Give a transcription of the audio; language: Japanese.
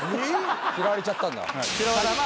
嫌われちゃったんだ。